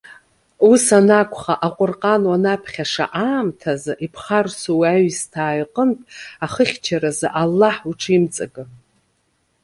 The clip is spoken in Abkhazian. Ус анакәха, Аҟәырҟан уанаԥхьаша аамҭазы иԥхарсу уи аҩсҭаа иҟынтә ахыхьчаразы Аллаҳ уҽимҵакы!